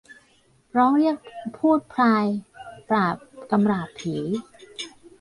ร้องเรียกภูตพรายปราบกำราบผี